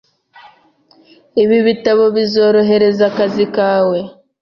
Ibi bitabo bizorohereza akazi kawe.